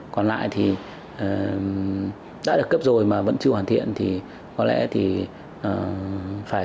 còn lại thì đã được cấp rồi mà vẫn chưa hoàn thiện thì có lẽ thì phải